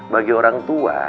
bagi orang tua